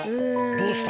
どうした？